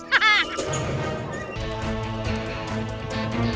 aku tidak akan pernah